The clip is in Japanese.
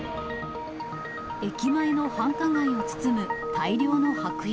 駅前の繁華街を包む大量の白煙。